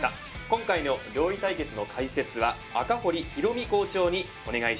今回の料理対決の解説は赤堀博美校長にお願いします。